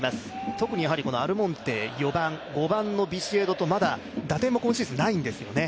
特にアルモンテ、４番、５番のビシエドとまだ打点も今シーズンないんですよね。